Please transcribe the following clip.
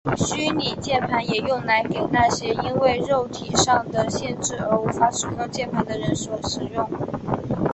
虚拟键盘也用来给那些因为肉体上的限制而无法使用键盘的人所使用。